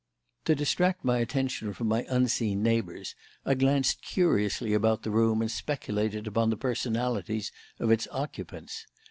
To distract my attention from my unseen neighbours I glanced curiously about the room and speculated upon the personalities of its occupants.